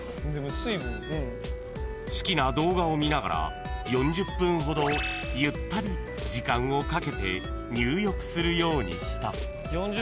［好きな動画を見ながら４０分ほどゆったり時間をかけて入浴するようにした］